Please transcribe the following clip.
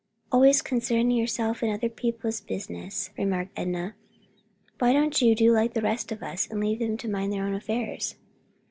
"Always concerning yourself in other people's business;" remarked Enna. "Why don't you do like the rest of us, and leave them to mind their own affairs?"